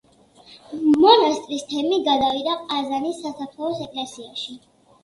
მონასტრის თემი გადავიდა ყაზანის სასაფლაოს ეკლესიაში.